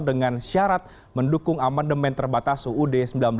dengan syarat mendukung amandemen terbatas uud seribu sembilan ratus empat puluh lima